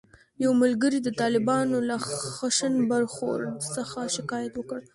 یو ملګري د طالبانو له خشن برخورد څخه شکایت وکړ.